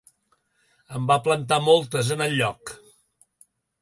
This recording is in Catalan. En va plantar moltes en el lloc.